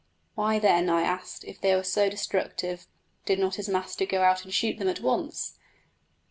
Why, then, I asked, if they were so destructive, did not his master go out and shoot them at once?